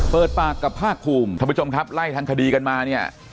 เปิดปากกับภาคภูมิท่านผู้ชมครับไล่ทางคดีกันมาเนี่ย